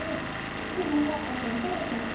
はなかっぱくんてれちゃって。